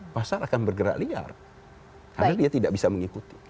pasar akan bergerak liar karena dia tidak bisa mengikuti